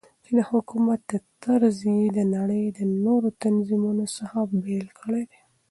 چې دحكومت دا طرز يي دنړۍ دنورو تنظيمونو څخه بيل كړى دى .